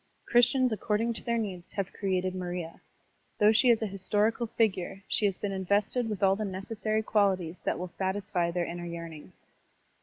Christians according to their needs have created Maria. Though she is a historical figure, she has been invested with all the necessary qualities that will satisfy their inner yearnings.